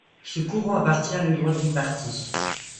Ce courant appartient à l'aile droite du parti.